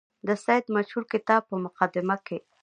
د سید مشهور کتاب په مقدمه کې.